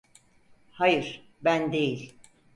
Hayır, ben değil.